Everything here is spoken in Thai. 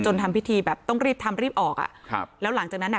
ทำพิธีแบบต้องรีบทำรีบออกอ่ะครับแล้วหลังจากนั้นอ่ะ